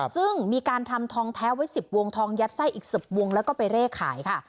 ซึ่งมีการทำทองแท้ไว้๑๐วงทองยัดไส้อีก๑๐วงแล้วก็ไปเร่ขายค่ะ